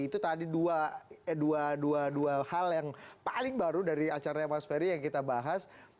itu tadi dua hal yang paling baru dari acaranya mas ferry yang kita bahas